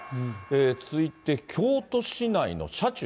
続いて京都市内の車中。